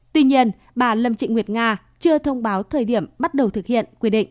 tuy nhiên bà lâm trịnh nguyệt nga chưa thông báo thời điểm bắt đầu thực hiện